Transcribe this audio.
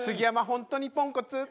本当にポンコツ」